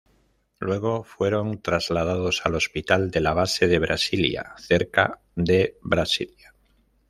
Luego fueron trasladados al Hospital de la Base de Brasilia, cerca de Brasilia.